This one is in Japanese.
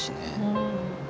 うん。